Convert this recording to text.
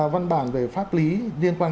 văn bản về pháp lý liên quan